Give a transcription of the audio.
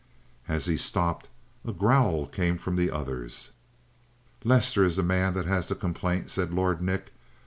As he stopped, a growl came from the others. "Lester is the man that has the complaint," said Lord Nick.